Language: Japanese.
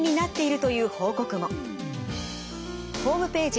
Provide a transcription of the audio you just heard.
ホームページ